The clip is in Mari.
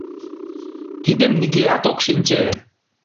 Тидым нигӧат ок шинче.